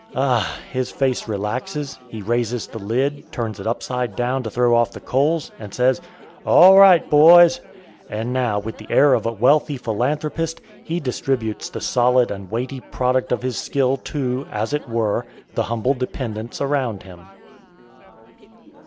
Ah! his face relaxes; he raises the lid, turns it upside down to throw off the coals, and says, All right, boys! And now, with the air of a wealthy philanthropist, he distributes the solid and weighty product of his skill to, as it were, the humble dependents around him.